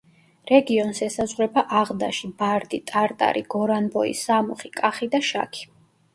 რეგიონს ესაზღვრება აღდაში, ბარდი, ტარტარი, გორანბოი, სამუხი, კახი და შაქი.